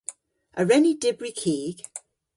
A wren ni dybri kig?